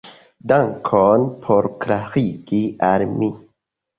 Dankon por klarigi al mi.